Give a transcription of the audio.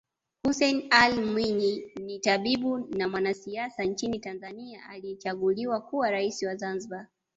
Hussein Ali Mwinyi ni tabibu na mwanasiasa nchini Tanzania aliyechaguliwa kuwa rais wa Zanzibar